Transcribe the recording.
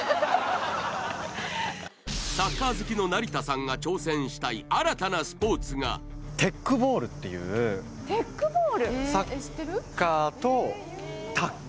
サッカー好きの成田さんが挑戦したい新たなスポーツがテックボールっていうテックボール？